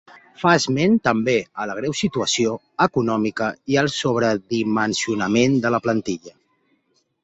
Fa esment també a la greu situació econòmica i al sobredimensionament de la plantilla.